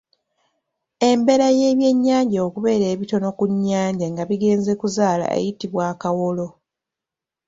Embeera ebyennyanja okubeera ebitono ku nnyanja nga bigenze kuzaala eyitibwa akawolo .